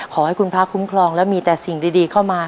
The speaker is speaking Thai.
ขอให้คุณพระคุ้มครองและมีแต่สิ่งดีเข้ามา